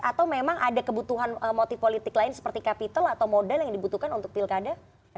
atau memang ada kebutuhan motif politik lain seperti kapital atau modal yang dibutuhkan untuk pilkada